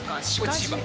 千葉。